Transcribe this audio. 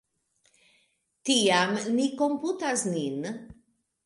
Tiam, ni komputas nin.